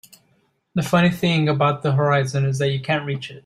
The funny thing about the horizon is that you can't reach it.